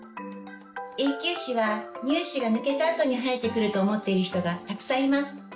永久歯は乳歯が抜けたあとに生えてくると思っている人がたくさんいます。